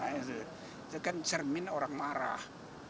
itu kan cermin orang marah